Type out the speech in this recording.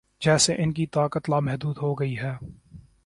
جیسے ان کی طاقت لامحدود ہو گئی ہے۔